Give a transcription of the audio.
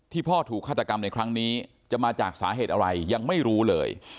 พ่อถูกฆาตกรรมในครั้งนี้จะมาจากสาเหตุอะไรยังไม่รู้เลย